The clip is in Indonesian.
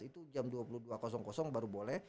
itu jam dua puluh dua baru boleh